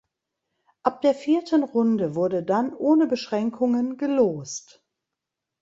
Ab der vierten Runde wurde dann ohne Beschränkungen gelost.